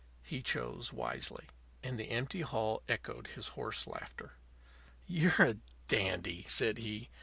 He chose wisely; and the empty hall echoed his hoarse laughter. "You're a dandy," said he.